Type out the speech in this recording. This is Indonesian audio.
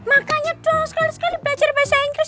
makanya perlu sekali sekali belajar bahasa inggris